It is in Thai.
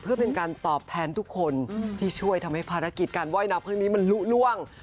เพื่อเป็นการตอบแทนทุกคนที่ช่วยทำให้ภารกิจการว่ายน้ำครั้งนี้มันลุล่วง